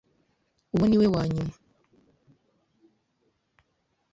Uwo niwe wanyuma.